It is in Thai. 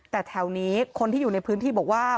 แต่แถวนี้คนที่อยู่ในพื้นที่บอกว่า